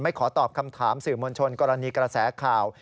ขอตอบคำถามสื่อมวลชนกรณีกระแสข่าว